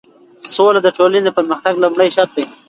سوله د ټولنې د پرمختګ لومړی شرط دی.